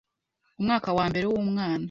Umwaka wa mbere w’umwana,